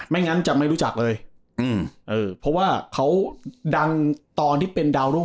งั้นจะไม่รู้จักเลยอืมเออเพราะว่าเขาดังตอนที่เป็นดาวรุ่ง